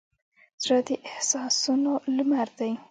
زړه د احساسونو لمر دی.